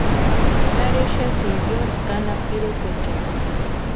¿Nari exeasïni yónki anapu pirekwaechani?